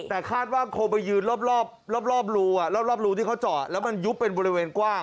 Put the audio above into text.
แต่คาดว่าคงไปยืนรอบรูรอบรูที่เขาเจาะแล้วมันยุบเป็นบริเวณกว้าง